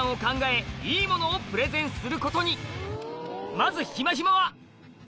まずひまひまは？